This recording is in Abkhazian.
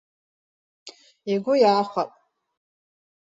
Игәы иахәап.